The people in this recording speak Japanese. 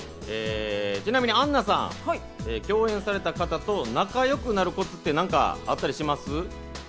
ちなみにアンナさん、共演された方と仲良くなるコツって何かあったりします？